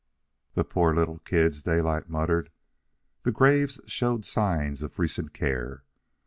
"The poor little kids," Daylight muttered. The graves showed signs of recent care.